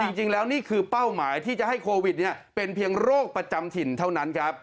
จริงแล้วนี่คือเป้าหมายที่จะให้โควิดเป็นเพียงโรคประจำถิ่นเท่านั้นครับ